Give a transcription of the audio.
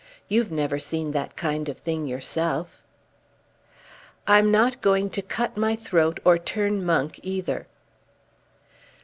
You've never seen that kind of thing yourself?" "I'm not going to cut my throat or turn monk either."